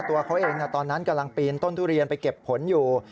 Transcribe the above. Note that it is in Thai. ตัวเขาเองตอนนั้นกำลังปีนต้นทุเรียนไปเก็บผลอยู่